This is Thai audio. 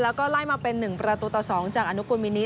แล้วก็ไล่มาเป็น๑ประตูต่อ๒จากอนุกูลมินิ